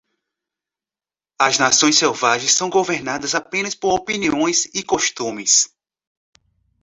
As nações selvagens são governadas apenas por opiniões e costumes.